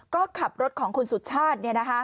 ก็ขับรถของคุณสุชาติ